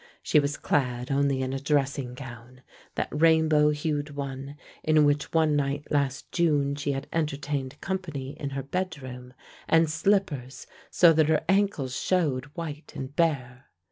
She was clad only in a dressing gown, that rainbow hued one in which one night last June she had entertained a company in her bedroom, and slippers so that her ankles showed white and bare.